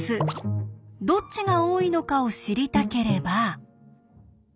どっちが多いのかを知りたければ。